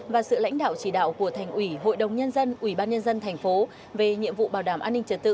và sự lãnh đạo chỉ đạo của thành ủy hội đồng nhân dân ủy ban nhân dân thành phố về nhiệm vụ bảo đảm an ninh trật tự